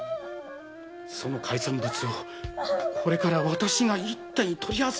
その海産物をこれからは私が一手に取り扱うことになった。